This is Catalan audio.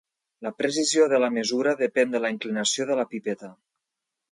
La precisió de la mesura depèn de la inclinació de la pipeta.